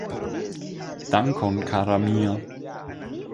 Dankon kara mia